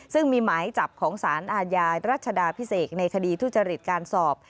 ซึ่งมีหมายจับของสารอาญารัชดาพิเศษในคดีทุจริตการสอบ